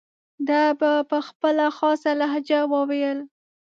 ده به په خپله خاصه لهجه وویل.